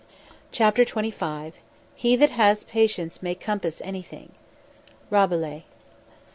CHAPTER XXV "He that has patience may compass anything." RABELAIS.